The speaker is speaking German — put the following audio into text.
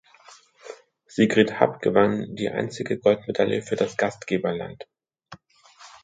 Sigrid Happ gewann die einzige Goldmedaille für das Gastgeberland.